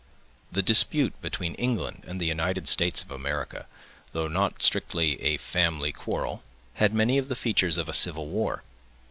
The dispute between England and the United States of America, though not strictly a family quarrel, had many of the features of a civil war.